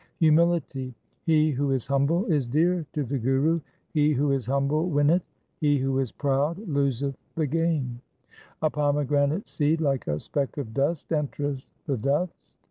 1 Humility :— He who is humble is dear to the Guru. 2 He who is humble winneth, he who is proud loseth the game. 2 A pomegranate seed like a speck of dust entereth the dust.